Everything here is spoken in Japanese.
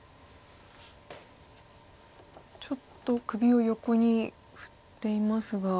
ちょっと首を横に振っていますが。